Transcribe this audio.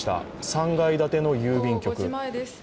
３階建ての郵便局です。